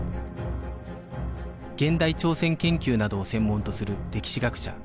現代朝鮮研究などを専門とする歴史学者